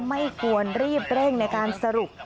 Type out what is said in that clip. ไม่ควรรีบเร่งในการสรุป